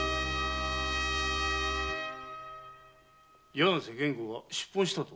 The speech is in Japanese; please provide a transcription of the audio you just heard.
柳瀬源吾が出奔したと？